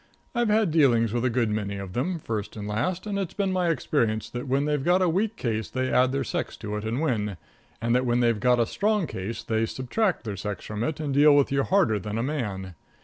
I've had dealings with a good many of them, first and last, and it's been my experience that when they've got a weak case they add their sex to it and win, and that when they've got a strong case they subtract their sex from it and deal with you harder than a man.